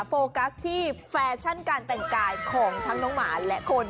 โฟกัสที่แฟชั่นการแต่งกายของทั้งน้องหมาและคน